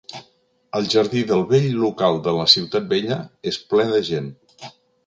El jardí del vell local de la Ciutat Vella és ple de gent.